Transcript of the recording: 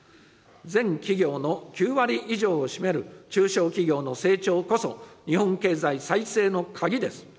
全企業の９割以上を占める中小企業の成長こそ、日本経済再生の鍵です。